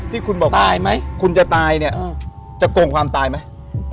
ที่คุณบอกตายไหมคุณจะตายเนี่ยจะโกงความตายไหม